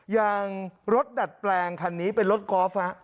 อย่างรถดัดแปลงคันนี้เป็นรถกอล์ฟฮะ